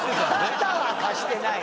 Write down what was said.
肩は貸してない。